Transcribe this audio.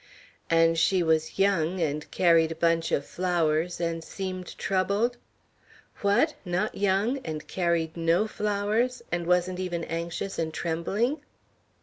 "And she was young, and carried a bunch of flowers, and seemed troubled? What! not young, and carried no flowers and wasn't even anxious and trembling?"